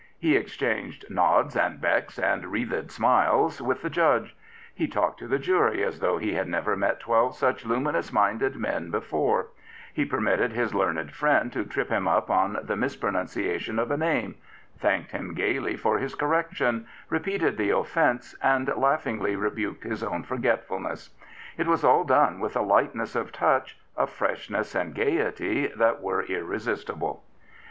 He exchanged " nods and becks and wreathed smiles " with the judge; he talked to the jury as though he had never met twelve such luminous minded men before; be 156 Rufus Isaacs, K.C. permitted his learned friend to trip him up on the mispronunciation of a name, thanked him gaily for his correction, repeated the offence, and laughingly rebuked his own forgetfulness. It was all done with a lightness of touch, a freshness and gaiety that were irresistible.